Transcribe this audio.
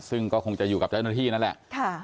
ซึ่งก็คงจะอยู่กับเจ้าหน้าที่นั่นแหละ